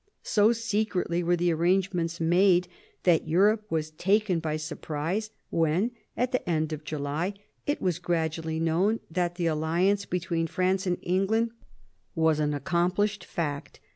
So secretly were the arrange ments made that Europe was taken by surprise when, at the end of July, it was gradually known that the aUiance between France and England was an accom phshed fact.